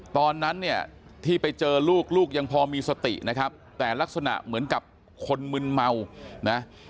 ตอนนั้นเนี่ยที่ไปเจอลูกลูกยังพอมีสตินะครับแต่ลักษณะเหมือนกับคนมึนเมานะ